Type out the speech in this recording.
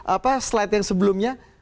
apa slide yang sebelumnya